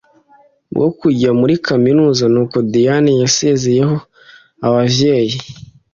bwo kuja muri kaminuza……Nuko Diane yasezeyeho abavyeyi